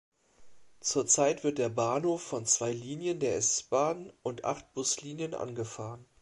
Zurzeit wird der Bahnhof von zwei Linien der S-Bahn und acht Buslinien angefahren.